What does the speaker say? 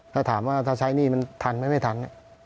ถ้าถามว่าถ้าใช้หนี้มันทันไหมไม่ทัน